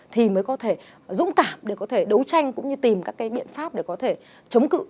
thì mới có thể dũng cảm để có thể đấu tranh cũng như tìm các cái biện pháp để có thể chống cự